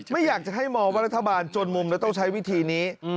ไม่อยากจะให้มองว่ารัฐบาลจนมุมแล้วต้องใช้วิธีนี้